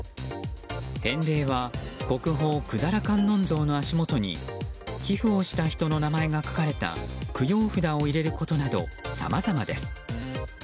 返礼は、国宝・百済観音像の足元に寄付をした人の名前が書かれた供養札を入れることなどさまざまです。